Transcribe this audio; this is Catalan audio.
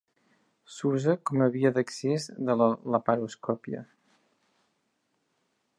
S'usa com a via d'accés de la laparoscòpia.